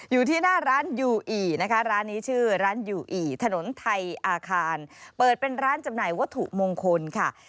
อยู่ที่หน้าร้านยูอีนะคะร้านนี้ชื่อร้านยูอีถนนไทยอาคารเปิดเป็นร้านจำหน่ายวัตถุมงคลค่ะ